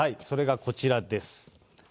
それがこちらです。